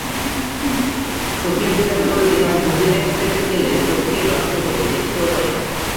চোখের ভিতরে কোনো জিনিস গুঁজে দেখতে গেলে চোখকেই নষ্ট করি, দেখতেও পাই নে।